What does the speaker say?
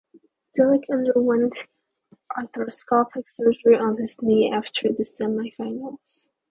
Zelic underwent arthroscopic surgery on his knee after the semi-finals.